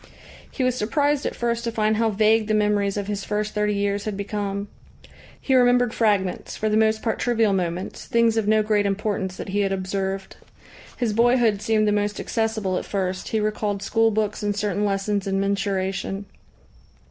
He was surprised at first to find how vague the memories of his first thirty years had become. He remembered fragments, for the most part trivial moments, things of no great importance that he had observed. His boyhood seemed the most accessible at first, he recalled school books and certain lessons in mensuration.